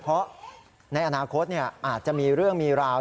เพราะในอนาคตอาจจะมีเรื่องมีราว